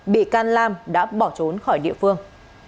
bị can lam đã bỏ trốn khỏi địa phương